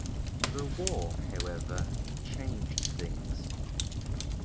The war, however, changed things.